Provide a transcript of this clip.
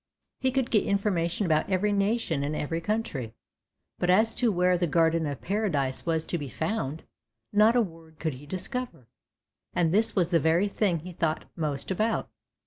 He could get information about every nation and every country; but as to where the Garden of Paradise was to be found, not a word could he discover, and this was the very thing he thought most about.